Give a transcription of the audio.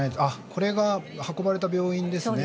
これが運ばれた病院ですね。